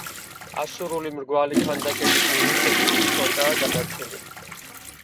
ასურული მრგვალი ქანდაკების ნიმუშები ცოტაა გადარჩენილი.